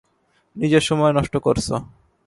নিজের সময় নষ্ট করছো।